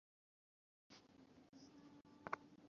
আমি একটা থাকার জায়গা খুঁজতে হবে।